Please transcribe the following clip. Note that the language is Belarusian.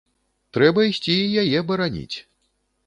Трэба ісці і яе бараніць.